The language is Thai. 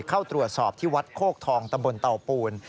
เข้าตรวจสอบที่วัดโคกทองตำบลเตาปูน